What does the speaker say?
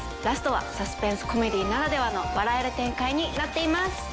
ラストはサスペンスコメディーならではの笑える展開になっています。